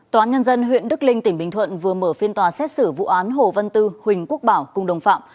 tòa án nhân dân huyện đức linh tỉnh bình thuận vừa mở phiên tòa xét xử vụ án hồ văn tư huỳnh quốc bảo cùng đồng phạm